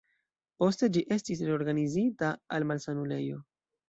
Poste ĝi estis reorganizita al malsanulejo.